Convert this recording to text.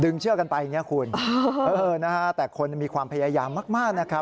ดึงเชื่อกันไปเนี่ยคุณแต่คนมีความพยายามมากนะครับ